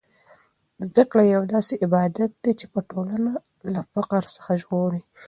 زده کړه یو داسې عبادت دی چې ټولنه له فقر څخه ژغوري.